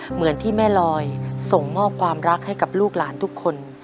เหมือนที่แม่ลอยส่งมอบความรักให้กับลูกหลานทุกคน